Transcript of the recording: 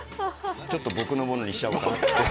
ちょっと僕のものにしちゃおうかなと。